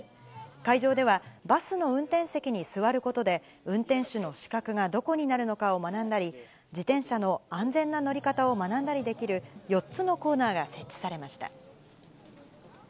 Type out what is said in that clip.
会場では、バスの運転席に座ることで、運転手の死角がどこになるのかを学んだり、自転車の安全な乗り方を学んだりできる４つのコーナーが設置されました。